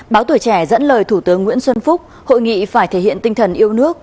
báo tuổi trẻ dẫn lời thủ tướng nguyễn xuân phúc hội nghị phải thể hiện tinh thần yêu nước